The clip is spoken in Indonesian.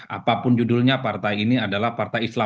apapun judulnya partai ini adalah partai islam